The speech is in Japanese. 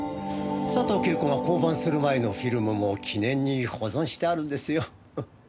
佐藤景子が降板する前のフィルムも記念に保存してあるんですよ。